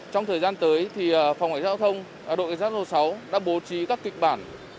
trong thời gian tới thì phòng hải sát giao thông đội hải sát số sáu đã bố trí các kịch bản